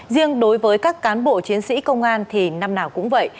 riêng đối với các cán bộ chiến sĩ công an thì năm nào cũng vậy